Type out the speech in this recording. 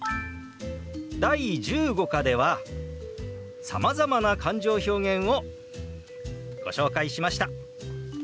第１５課ではさまざまな感情表現をご紹介しました。